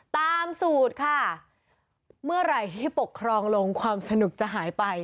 ตามสูตรค่ะเมื่อไหร่ที่ปกครองลงความสนุกจะหายไป